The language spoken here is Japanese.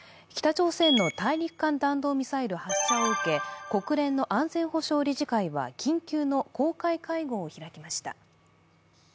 北朝鮮の大陸間弾道ミサイル発射を受け、国連の安全保障理事会は緊急の公開会合を開きました。